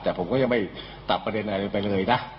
แต่ผมก็ยังไม่ตัดประเด็นอะไรไปเลยนะ